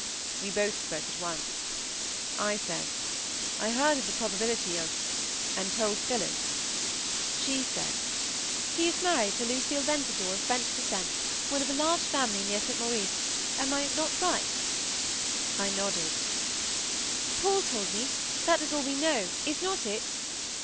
We both spoke at once. I said, "I heard of the probability of—and told Phillis." She said, "He is married to Lucille Ventadour, of French descent; one of a large family near St. Meurice; am not I right?" I nodded "Paul told me,—that is all we know, is not it?